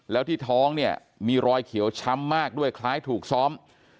แล้วที่ท้องเนี่ยมีรอยเขียวช้ำมากด้วยคล้ายถูกซ้อม